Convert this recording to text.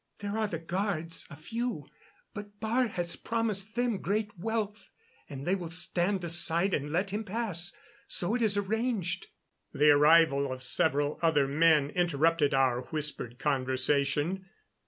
"There are the guards a few. But Baar has promised them great wealth, and they will stand aside and let him pass. So it is arranged." The arrival of several other men interrupted our whispered conversation.